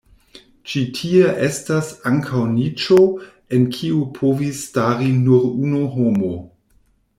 Ĉi tie estas ankaŭ niĉo, en kiu povis stari nur unu homo.